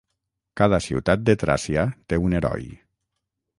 Cada ciutat de Tràcia té un heroi.